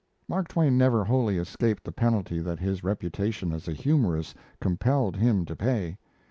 Mark Twain never wholly escaped the penalty that his reputation as a humorist compelled him to pay.